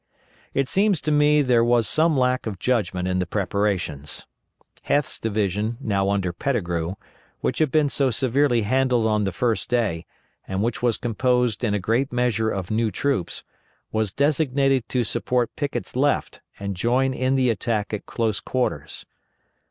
It seems to me there was some lack of judgment in the preparations. Heth's division, now under Pettigrew, which had been so severely handled on the first day, and which was composed in a great measure of new troops, was designated to support Pickett's left and join in the attack at close quarters.